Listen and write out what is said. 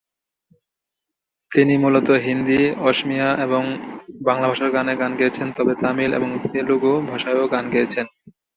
তিনি মূলত হিন্দি, অসমীয়া এবং বাংলা ভাষার গানে গান গেয়েছেন তবে তামিল এবং তেলুগু ভাষায়ও গান গেয়েছেন।